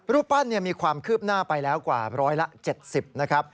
รูปปั้นมีความคืบหน้าไปแล้วกว่าร้อยละ๗๐นะครับ